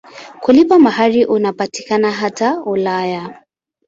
Kulipa mahari unapatikana hata Ulaya.